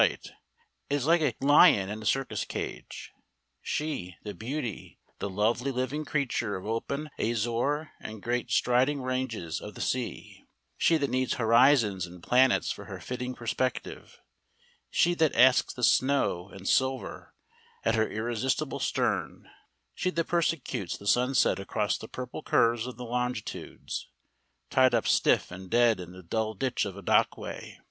It is like a lion in a circus cage. She, the beauty, the lovely living creature of open azure and great striding ranges of the sea, she that needs horizons and planets for her fitting perspective, she that asks the snow and silver at her irresistible stern, she that persecutes the sunset across the purple curves of the longitudes tied up stiff and dead in the dull ditch of a dockway.